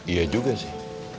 iya juga sih